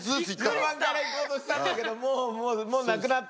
順番からいこうとしたんだけどもうもうなくなって。